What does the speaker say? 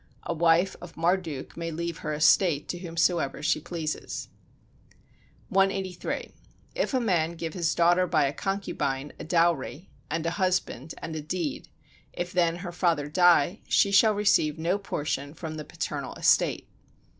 A wife of Marduk may leave her estate to whomsoever she wishes. 183. If a man give his daughter by a concubine a dowry, and a husband, and a deed; if then her father die, she shall receive no portion from the paternal estate.